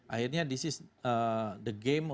akhirnya ini adalah permainan